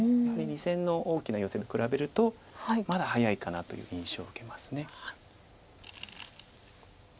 やはり２線の大きなヨセに比べるとまだ早いかなという印象を受けます。